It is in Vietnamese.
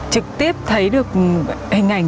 trực tiếp thấy được hình ảnh